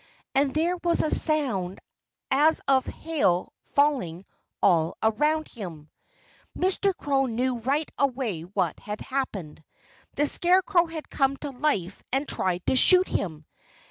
And there was a sound as of hail falling all around him. Mr. Crow knew right away what had happened. The scarecrow had come to life and tried to shoot him!